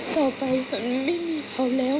ต่อไปฝนไม่มีเขาแล้ว